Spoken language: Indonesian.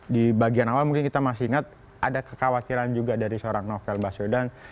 di bagian awal mungkin kita masih ingat ada kekhawatiran juga dari seorang novel baswedan